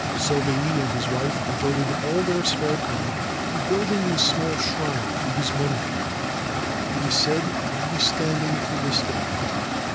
So and his wife devoted all their spare time to building small shrine to his memory. It is said to be standi to this day.